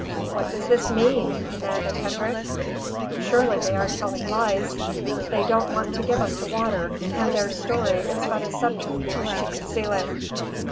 "What does this mean?" demanded Hendrik. "Surely they are telling lies. They don't want to give us the water and their story is but a subterfuge to conceal it.